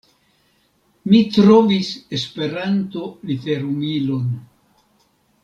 Mi trovis Esperanto literumilon.